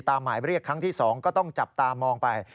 หมายเรียกครั้งที่๒ก็ต้องจับตามองไป